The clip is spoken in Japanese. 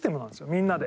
みんなで。